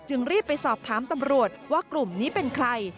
รีบไปสอบถามตำรวจว่ากลุ่มนี้เป็นใคร